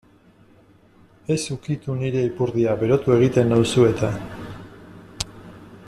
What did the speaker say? Ez ukitu nire ipurdia berotu egiten nauzu eta.